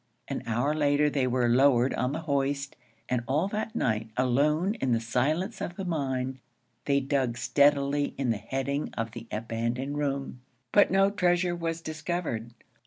An hour later they were lowered on the hoist; and all that night, alone in the silence of the mine, they dug steadily in the heading of the abandoned room; but no treasure was discovered.